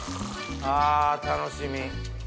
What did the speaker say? あ楽しみ。